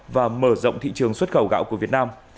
và mở rộng thị trường xuất khẩu gạo của việt nam